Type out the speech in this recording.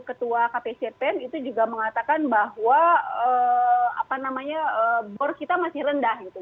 ketua kpcpen itu juga mengatakan bahwa bor kita masih rendah gitu